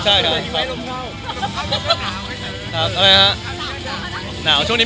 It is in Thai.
ห้ะหมายถึงมิ้วหรอครับ